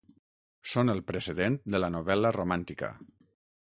Són el precedent de la novel·la romàntica.